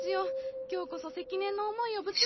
今日こそ積年の思いをぶちまけて。